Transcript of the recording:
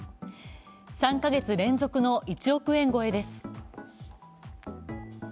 ３か月連続の１億円超えです。